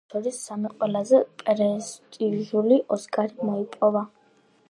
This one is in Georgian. მათ შორის სამი ყველაზე პრესტიჟული „ოსკარი“ მოიპოვა.